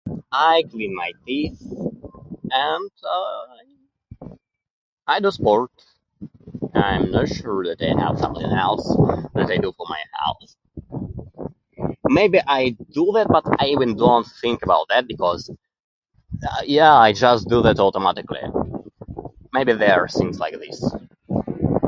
I clean my teeth, and I... I just work. I'm not sure that I have something else that I do for my health. Maybe I do that, but I even don't think about that because, yeah I just do that automatically. Maybe there are things like this.